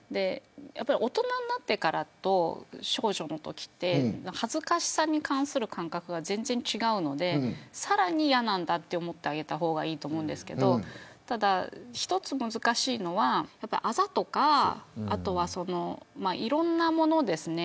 大人になってからと少女のときとでは恥ずかしさに関する感覚が全然違うのでさらに嫌なんだと思ってあげた方がいいと思うんですけど難しいのは、あざとかいろんなものですね。